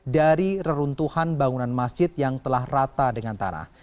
dari reruntuhan bangunan masjid yang telah rata dengan tanah